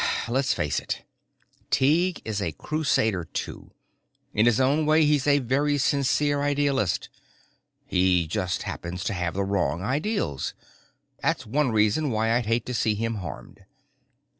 "Let's face it, Tighe is a crusader too. In his own way he's a very sincere idealist. He just happens to have the wrong ideals. That's one reason why I'd hate to see him harmed."